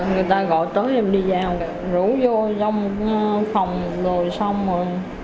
người ta gọi tới em đi vào rủ vô vô phòng rồi xong rồi